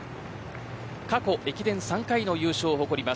過去、駅伝３回の優勝を誇ります